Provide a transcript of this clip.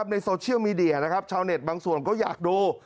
ในโซเชียลมีเดียบางส่วนก็อยากดู